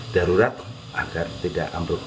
darurat agar tidak ambruk